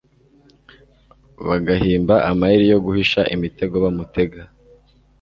bagahimba amayeri yo guhisha imitego bamutega